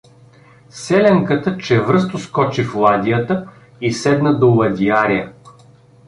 Селянката чевръсто скочи в ладията и седна до ладиаря.